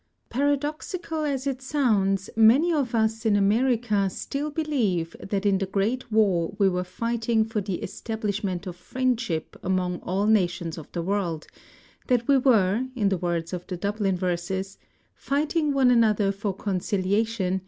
Paradoxical as it sounds, many of us in America still be lieve that in the Great War we were fighting for the establish ment of friendship among all nations of the world, that we were, in the words of the Dublin verses, Fighting one another for conciliation.